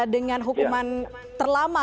dengan hukuman terlama